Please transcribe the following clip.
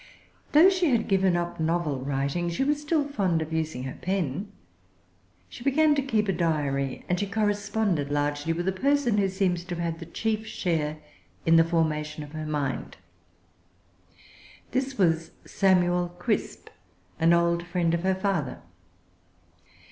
Though she had given up novel writing she was still fond of using her pen. She began to keep a diary, and she corresponded largely with a person who seems to have had the chief share in the formation of her mind. This was Samuel Crisp, an old friend of her father.